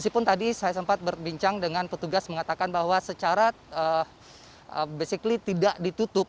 meskipun tadi saya sempat berbincang dengan petugas mengatakan bahwa secara basically tidak ditutup